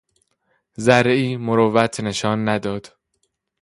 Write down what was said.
ذرهای مروت نشان نداد!